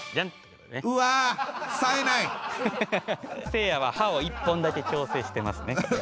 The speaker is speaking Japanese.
せいやは歯を１本だけ矯正してますねこれ。